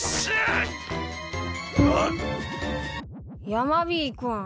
ヤマビー君。